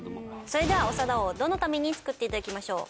それでは長田王どの民に作って頂きましょう？